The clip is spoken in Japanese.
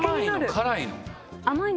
辛いの？